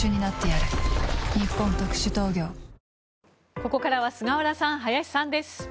ここからは菅原さん、林さんです。